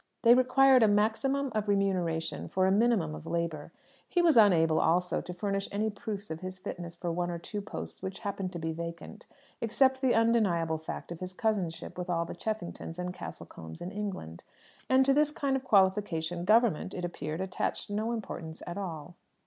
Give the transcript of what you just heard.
They required a maximum of remuneration for a minimum of labour. He was unable, also, to furnish any proofs of his fitness for one or two posts which happened to be vacant, except the undeniable fact of his cousinship with all the Cheffingtons and Castlecombes in England; and to this kind of qualification "Government," it appeared, attached no importance at all.